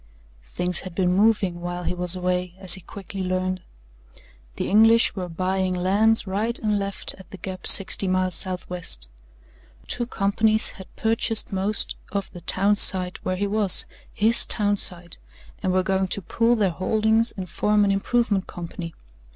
Things had been moving while he was away, as he quickly learned. The English were buying lands right and left at the gap sixty miles southwest. Two companies had purchased most of the town site where he was HIS town site and were going to pool their holdings and form an improvement company.